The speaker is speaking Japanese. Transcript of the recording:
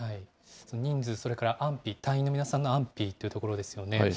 人数、それから安否、隊員の皆さんの安否というところですよね。